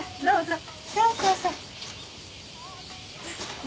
どうぞ。